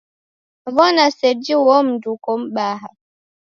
W'ona seji uo mundu uko m'baha!